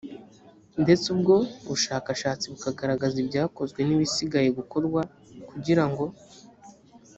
ndetse ubwo bushakashatsi bukagaragaza ibyakozwe n ibisigaye gukorwa kugira ngo